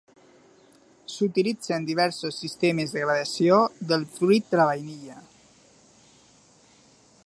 S"utilitzen diversos sistemes de gradació del fruit de la vainilla.